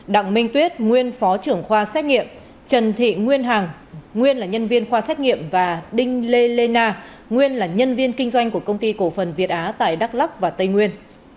đặng minh tuyết nguyên phó trưởng khoa xét nghiệm trần thị nguyên hằng nguyên là nhân viên khoa xét nghiệm và đinh lê lê na nguyên là nhân viên kinh doanh của công ty cổ phần việt á tại đắk lắc và tây nguyên